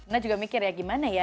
nah juga mikir ya gimana ya